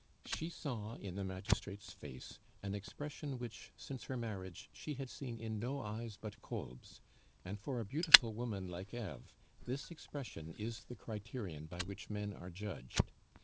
She saw in the magistrate's face an expression which, since her marriage, she had seen in no eyes but Kolb's; and for a beautiful woman like Eve, this expression is the criterion by which men are judged.